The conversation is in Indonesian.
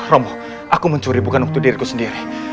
romo aku mencuri bukan untuk diriku sendiri